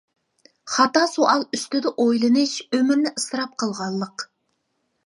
خاتا سوئال ئۈستىدە ئويلىنىش ئۆمۈرنى ئىسراپ قىلغانلىق.